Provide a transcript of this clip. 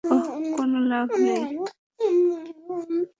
ওহ, কোনো লাভ নেই।